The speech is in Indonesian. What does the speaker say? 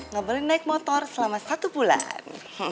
nggak boleh naik motor selama satu bulan